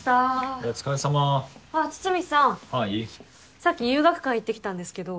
さっき由岳館行ってきたんですけど。